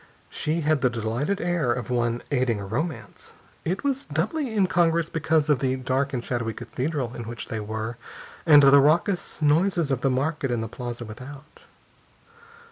She had the delighted air of one aiding a romance. It was doubly incongruous because of the dark and shadowy Cathedral in which they were, and the raucous noises of the market in the plaza without.